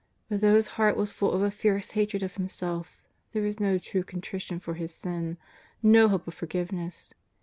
But though his lieart was full of a fierce hatred of him self, there was no true contrition for his sin, no hope of forgiveness.